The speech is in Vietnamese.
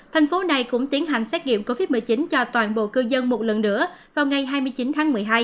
thành phố này cũng tiến hành xét nghiệm covid một mươi chín cho toàn bộ cư dân một lần nữa vào ngày hai mươi chín tháng một mươi hai